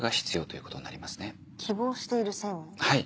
はい。